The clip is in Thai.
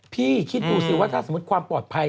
คิดดูสิว่าถ้าสมมุติความปลอดภัย